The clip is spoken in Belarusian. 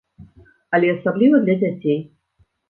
Але асабліва для дзяцей.